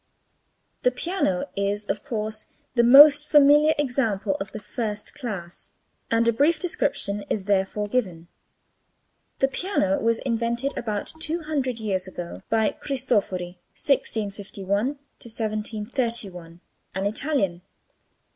The piano is of course the most familiar example of the first class, and a brief description is therefore given. The piano was invented about two hundred years ago by Cristofori (1651 1731), an Italian.